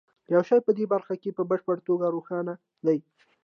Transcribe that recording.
یو شی په دې برخه کې په بشپړه توګه روښانه دی